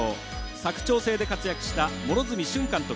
佐久長聖で活躍した両角駿監督。